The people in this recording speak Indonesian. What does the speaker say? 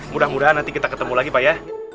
mudah mudahan nanti kita ketemu lagi pak ya